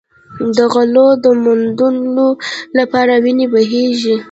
د غلو د موندلو لپاره وینې بهېږي.